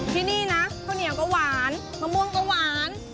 ที่นี่นะข้าวเหนียวก็หวานมะม่วงก็หวาน